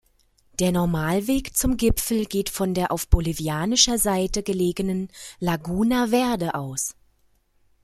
Der Normalweg zum Gipfel geht von der auf bolivianischer Seite gelegenen Laguna Verde aus.